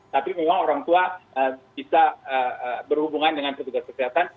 tapi memang orang tua bisa berhubungan dengan petugas kesehatan